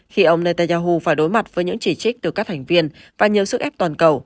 khi ông netanyahu phải đối mặt với những chỉ trích từ các thành viên và nhiều sức ép toàn cầu